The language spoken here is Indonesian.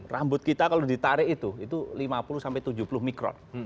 rambut kita kalau ditarik itu itu lima puluh sampai tujuh puluh mikron